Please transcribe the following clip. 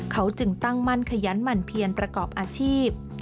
เขาจึงตั้งมั่นขยันหมั่นเพียนประกอบอาชีพ